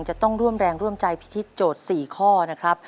จะต้องร่วมแรงร่วมใจพิธีโจทย์๔ข้อนะครับ